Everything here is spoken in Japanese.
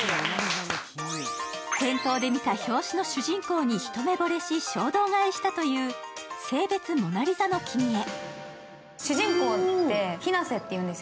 店頭で見た表紙の主人公に一目ぼれし衝動買いしたという「性別『モナリザ』の君へ」。